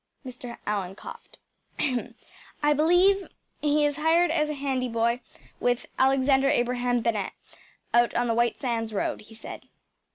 ‚ÄĚ Mr. Allan coughed. “I believe he is hired as handy boy with Alexander Abraham Bennett, out on the White Sands road,‚ÄĚ he said.